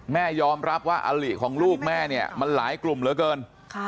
แม่ยอมรับว่าอลิของลูกแม่เนี่ยมันหลายกลุ่มเหลือเกิน